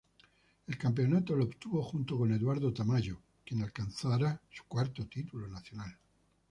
El campeonato lo obtuvo junto con Eduardo Tamayo, quien alcanzara su cuarto título nacional.